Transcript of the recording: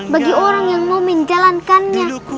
bagi orang yang mau menjalankannya